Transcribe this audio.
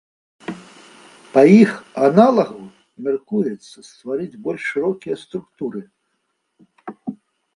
Па іх аналагу мяркуецца стварыць больш шырокія структуры.